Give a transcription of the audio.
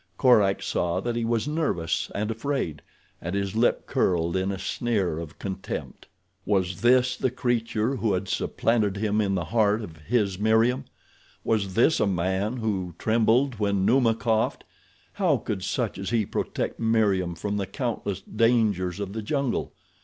Korak saw that he was nervous and afraid, and his lip curled in a sneer of contempt. Was this the creature who had supplanted him in the heart of his Meriem? Was this a man, who trembled when Numa coughed? How could such as he protect Meriem from the countless dangers of the jungle?